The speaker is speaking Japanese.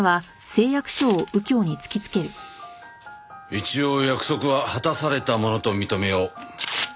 一応約束は果たされたものと認めよう。